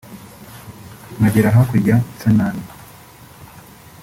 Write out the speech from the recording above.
nkagera hakurya nsa nabi